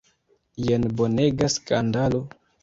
Jen bonega skandalo!